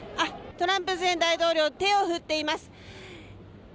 トランプ前大統領手を振っています。